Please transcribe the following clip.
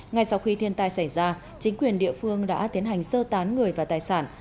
ngay sau khi thiên tai xảy ra chính quyền địa phương đã tiến hành sơ tán người và tài sản